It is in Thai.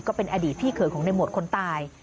ก็เป็นอดีตพี่เขยของในหมวดคนตาย